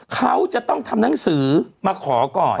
เขาจะต้องทำหนังสือมาขอก่อน